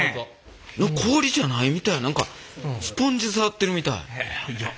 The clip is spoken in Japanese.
氷じゃないみたい何かスポンジ触ってるみたい。